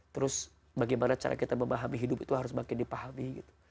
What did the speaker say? terus bagaimana cara kita memahami hidup itu harus makin dipahami gitu